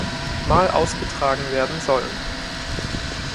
Mal ausgetragen werden sollen.